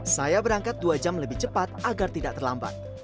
saya berangkat dua jam lebih cepat agar tidak terlambat